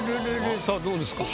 さあどうですか？